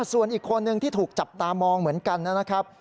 ส่วนอีกคนนึงที่ถูกจับตามองเหมือนกันนะครับ